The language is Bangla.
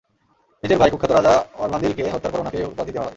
নিজের ভাই- কুখ্যাত রাজা অরভান্দিলকে হত্যার পর উনাকে এই উপাধি দেয়া হয়।